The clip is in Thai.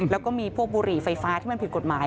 แล้วก็มีพวกบุหรี่ไฟฟ้าที่มันผิดกฎหมาย